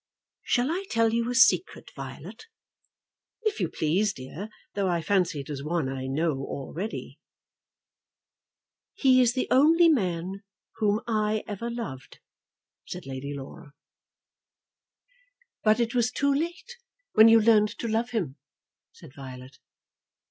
"Shall I tell you a secret, Violet?" "If you please, dear; though I fancy it is one I know already." "He is the only man whom I ever loved," said Lady Laura. "But it was too late when you learned to love him," said Violet.